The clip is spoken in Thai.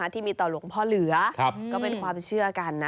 ที่มีต่อหลวงพ่อเหลือก็เป็นความเชื่อกันนะ